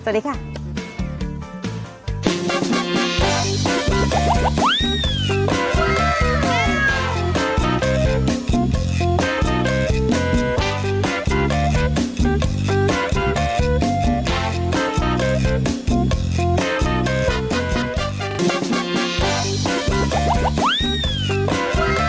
สวัสดีค่ะ